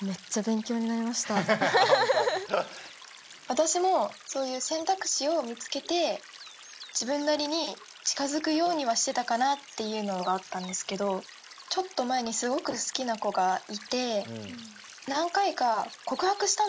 私もそういう選択肢を見つけて自分なりに近づくようにはしてたかなっていうのがあったんですけどちょっと前にすごく好きな子がいて何回か告白したんですよ。